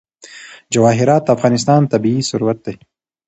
جواهرات د افغانستان طبعي ثروت دی.